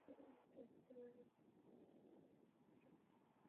Naše pozornost se zaměřovala na otázku označování vodíkových vozidel.